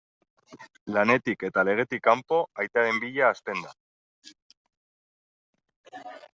Lanetik eta legetik kanpo, aitaren bila hasten da.